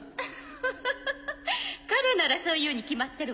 フフフ彼ならそう言うに決まってるわ。